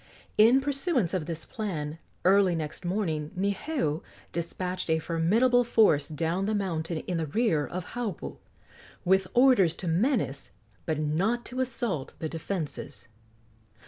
In pursuance of this plan, early next morning Niheu despatched a formidable force down the mountain in the rear of Haupu, with orders to menace but not to assault the defences.